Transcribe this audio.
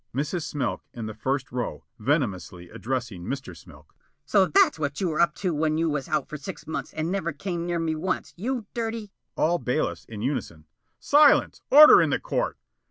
Mrs. Smilk, in the first row, venomously addressing Mr. Smilk: "So that's what you was up to when you was out for six months and never come near me once, you dirty " All bailiffs in unison: "Silence! Order in the court!"